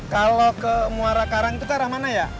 kalau ke muara karang itu ke arah mana ya